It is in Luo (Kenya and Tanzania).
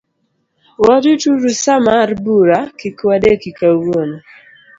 Warituru sa mar bura, kik wadeki kawuono.